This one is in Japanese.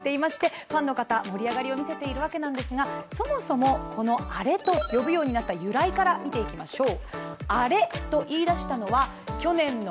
そのアレが１８年ぶり目前に迫っていましてファンの方、盛り上がりを見せているわけですが、そもそもアレと呼ぶようになった由来から見ていきましょう。